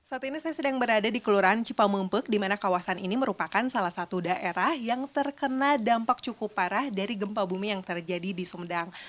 saat ini saya sedang berada di kelurahan cipamungpek di mana kawasan ini merupakan salah satu daerah yang terkena dampak cukup parah dari gempa bumi yang terjadi di sumedang